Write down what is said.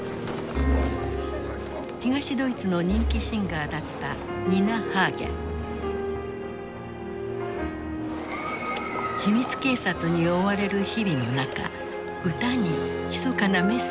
東ドイツの人気シンガーだった秘密警察に追われる日々の中歌にひそかなメッセージを込めた。